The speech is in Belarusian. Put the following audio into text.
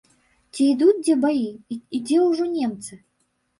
Ці ідуць дзе баі і дзе ўжо немцы?